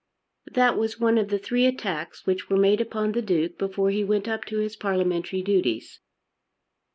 That was one of the three attacks which were made upon the Duke before he went up to his parliamentary duties.